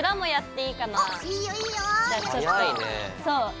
そう。